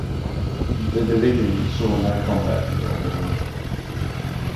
The division saw no combat in World War One.